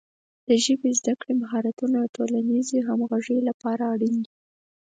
د ژبې د زده کړې مهارتونه د ټولنیزې همغږۍ لپاره اړین دي.